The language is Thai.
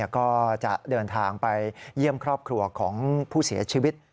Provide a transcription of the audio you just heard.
ก็จะเดินทางไปเยี่ยมครอบครัวของผู้เสียชีวิต